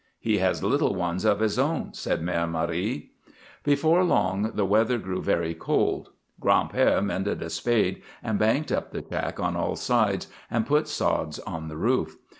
"He has little ones of his own," said Mère Marie. Before long the weather grew very cold. Gran'père mended a spade and banked up the shack on all sides and put sods on the roof.